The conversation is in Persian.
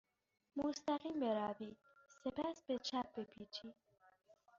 مستقیم بروید. سپس به چپ بپیچید.